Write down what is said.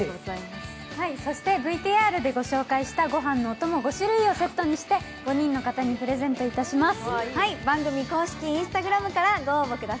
そしてＶＴＲでご紹介したごはんのおとも５種類をセットにして５人の方にプレゼントいたします。